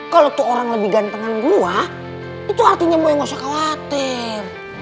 kalau tuh orang lebih gantengan gua itu artinya gue gak usah khawatir